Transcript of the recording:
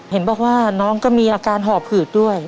เห็นบอกว่าน้องก็มีอาการหอบหืดด้วย